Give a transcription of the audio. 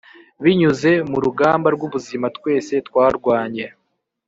binyuze mu rugamba rwubuzima twese twarwanye